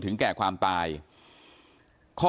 ทีมข่าวเราก็พยายามสอบปากคำในแหบนะครับ